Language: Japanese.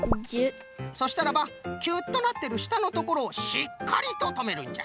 そしたらばキュッとなってるしたのところをしっかりととめるんじゃ。